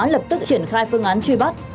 lập tức triển khai phương án truy bắt